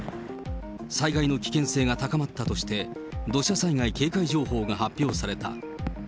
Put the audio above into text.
災害の危険性が高まったとして、土砂災害警戒情報が発表された。